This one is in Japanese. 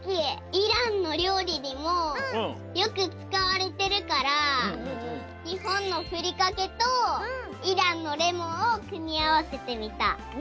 イランのりょうりにもよくつかわれてるからにほんのふりかけとイランのレモンをくみあわせてみた。